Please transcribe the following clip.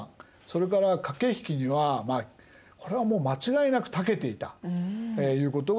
それから駆け引きにはこれはもう間違いなくたけていたということがいえる。